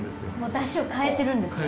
だしを変えてるんですね。